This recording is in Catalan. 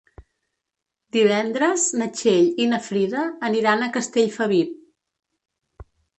Divendres na Txell i na Frida aniran a Castellfabib.